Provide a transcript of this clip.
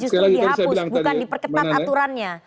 justru dihapus bukan diperketat aturannya